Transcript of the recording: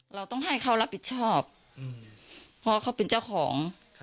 เราต้องให้เขารับผิดชอบเพราะเขาเป็นเจ้าของ